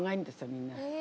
みんな。